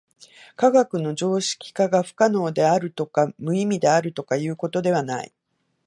科学の常識化が不可能であるとか無意味であるとかということではない。